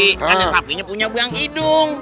karena sapinya punya buang hidung